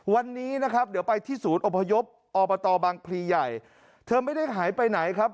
วันนี้เดี๋ยวไปที่ศูนย์อุปยบอบังพรีใหญ่เธอไม่ได้หายไปไหนครับ